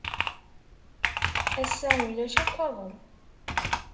Ass-a, ulac akk aḍu.